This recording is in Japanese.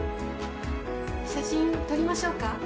写真撮りましょうか？